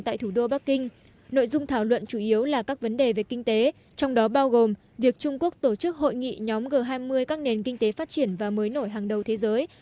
thủ đô bắc kinh nội dung thảo luận chủ yếu là các vấn đề về kinh tế trong đó bao gồm việc trung quốc tổ chức hội nghị nhóm g hai mươi các nền kinh tế phát triển và mới nổi hàng đầu thế giới